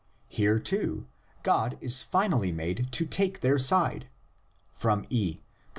Here, too, God is finally made to take their side (E, cp.